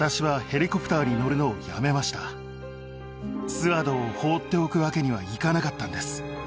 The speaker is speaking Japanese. スアドを放っておくわけにはいかなかったんです。